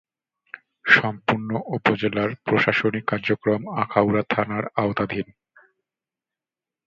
সম্পূর্ণ উপজেলার প্রশাসনিক কার্যক্রম আখাউড়া থানার আওতাধীন।